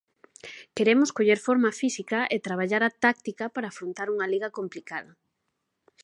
Queremos coller forma física e traballar a táctica para afrontar unha Liga complicada.